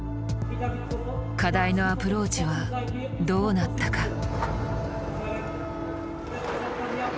課題のアプローチはどうなったか。